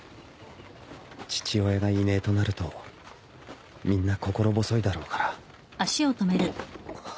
父親がいねえとなるとみんな心細いだろうから。